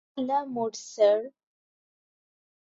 লা মোড, স্যার।